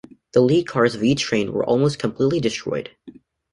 The lead cars of each train were almost completely destroyed.